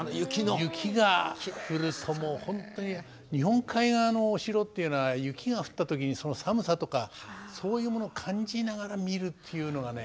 雪が降るともうほんとに日本海側のお城っていうのは雪が降った時にその寒さとかそういうものを感じながら見るっていうのがね